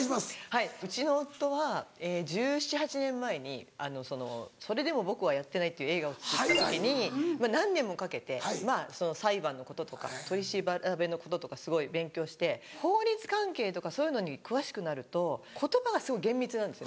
はいうちの夫は１７１８年前に『それでもボクはやってない』っていう映画を作った時に何年もかけて裁判のこととか取り調べのこととかすごい勉強して法律関係とかそういうのに詳しくなると言葉がすごい厳密になるんです。